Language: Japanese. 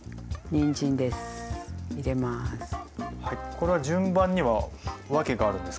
これは順番には訳があるんですか？